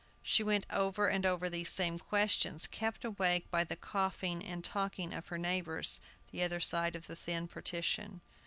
She went over and over these same questions, kept awake by the coughing and talking of her neighbors, the other side of the thin partition.